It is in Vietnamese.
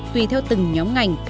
tùy theo từng nhóm ngành